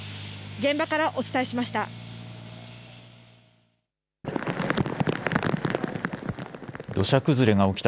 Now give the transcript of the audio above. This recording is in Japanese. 現場からお伝えしました。